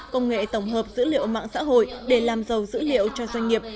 công nghệ tổng hợp dữ liệu mạng xã hội để làm giàu dữ liệu cho doanh nghiệp